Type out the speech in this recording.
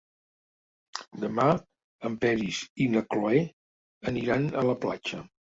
Demà en Peris i na Cloè aniran a la platja.